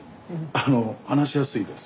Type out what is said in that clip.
話しやすいです。